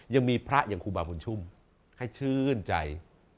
ยังมีพระอย่างครูบาบุญชุ่มให้ชื่นใจ